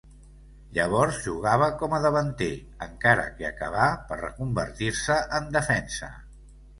Llavors jugava com a davanter, encara que acabà per reconvertir-se en defensa.